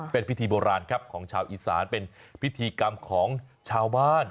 เป็นพิธีโบราณครับของชาวอีสานเป็นพิธีกรรมของชาวบ้าน